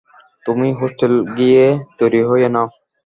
তুমি হোস্টেল গিয়ে তৈরি হয়ে নাও!